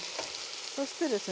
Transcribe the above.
そしてですね